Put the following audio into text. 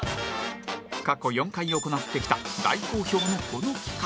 過去４回行ってきた大好評のこの企画